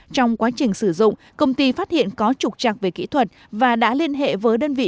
trong quá trình sử dụng công ty phát hiện có trục trặc về kỹ thuật và đã liên hệ với đơn vị